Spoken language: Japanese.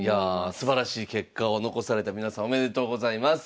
すばらしい結果を残された皆さんおめでとうございます！